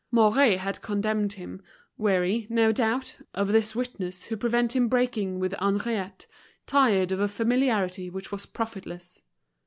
Mouret had condemned him, weary, no doubt, of this witness who prevent him breaking with Henriette, tired of a familiarity which was profitless.